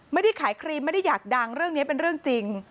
ไม่ได้ขายครีมไม่ได้อยากดังเรื่องนี้เป็นเรื่องจริง